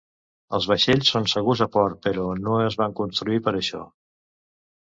Els vaixells són segurs a port, però no es van construir per a això